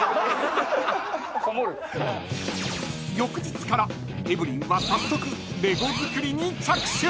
［翌日からエブリンは早速レゴ作りに着手］